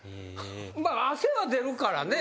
まあ汗は出るからね。